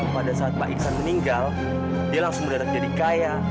pada saat pak iksan meninggal dia langsung mendadak jadi kaya